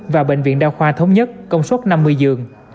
và bệnh viện đa khoa thống nhất công suất năm mươi giường